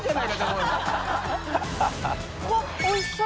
うわおいしそう！